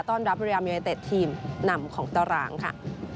ต้อนรับบริรามยัยเต็ดทีมนำของต่อร้างค่ะ